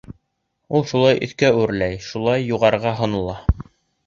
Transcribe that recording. Ул шулай өҫкә үрләй, шулай юғарыға һонола.